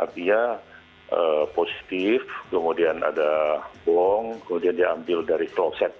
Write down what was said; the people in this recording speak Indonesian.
artinya positif kemudian ada bom kemudian diambil dari kloset